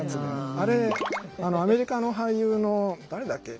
あれアメリカの俳優の誰だっけ。